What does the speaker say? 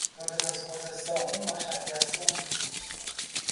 Todas as coisas são uma chateação.